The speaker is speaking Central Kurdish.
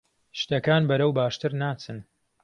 شتەکان بەرەو باشتر ناچن.